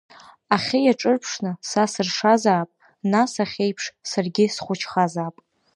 Ахьы иаҿырԥшны, са сыршазаап, нас, ахьеиԥш, саргьы схәыҷхазаап!